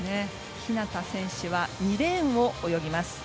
日向選手は２レーンを泳ぎます。